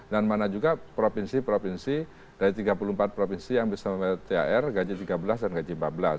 dan mana juga provinsi provinsi dari tiga puluh empat provinsi yang bisa membayar thr gaji tiga belas dan gaji empat belas